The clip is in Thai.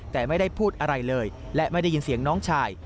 แต่ไม่ได้พูดอะไรเลยและไม่ได้ยินเสียงน้องชาย